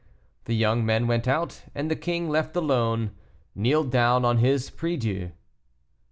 The young men went out, and the king, left alone, kneeled down on his prie Dieu.